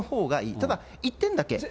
ただ一点だけ。